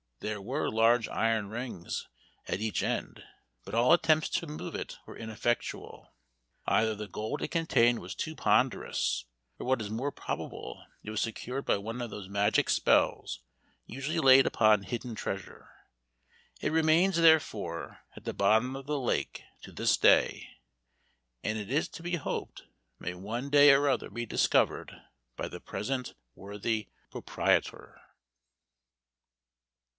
There were large iron rings at each end, but all attempts to move it were ineffectual; either the gold it contained was too ponderous, or what is more probable, it was secured by one of those magic spells usually laid upon hidden treasure. It remains, therefore, at the bottom of the lake to this day; and it is to be hoped, may one day or other be discovered by the present worthy proprietor.